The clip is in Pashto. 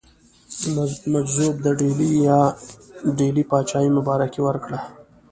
مجذوب د ډهلي پاچهي مبارکي ورکړه.